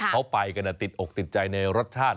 เขาไปกันติดอกติดใจในรสชาติ